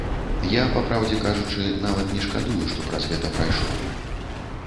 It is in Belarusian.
Я, папраўдзе кажучы, нават не шкадую, што праз гэта прайшоў.